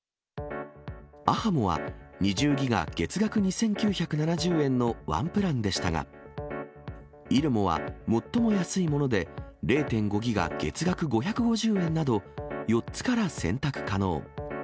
アハモは、２０ギガ月額２９７０円のワンプランでしたが、イルモは最も安いもので、０．５ギガ月額５５０円など、４つから選択可能。